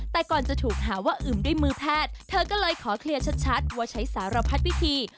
แต่ก่อนจะถูกหาว่าอึมด้วยมือแพทย์เธอก็เลยขอเคลียร์ชัดว่าใช้สารพัดวิธี